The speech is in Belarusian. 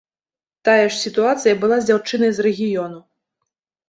Тая ж сітуацыя была з дзяўчынай з рэгіёну.